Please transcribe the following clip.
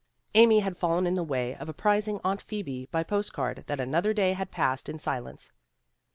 Amy had fallen in the way of ap prising Aunt Phoebe by post card that another day had been passed in silence.